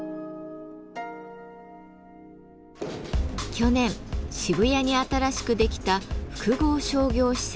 去年渋谷に新しくできた複合商業施設。